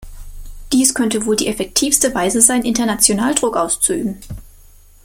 Dies könnte wohl die effektivste Weise sein, international Druck auszuüben.